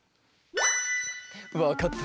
わかった？